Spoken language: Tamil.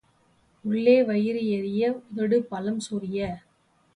உள்ளே வயிறு எரிய, உதடு பழம் சொரிய.